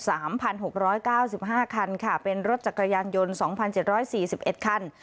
สามพันหกร้อยเก้าสิบห้าคันค่ะเป็นรถจักรยานยนต์สองพันเจ็ดร้อยสี่สิบเอ็ดคัน